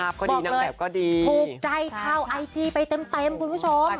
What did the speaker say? บอกเลยถูกใจชาวไอจีไปเต็มคุณผู้ชม